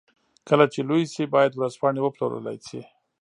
کله چې لوی شي بايد ورځپاڼې وپلورلای شي.